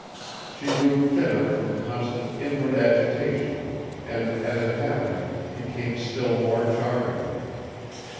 She grew thinner from constant inward agitation and, as it happened, became still more charming.